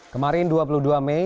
kemarin dua puluh dua mei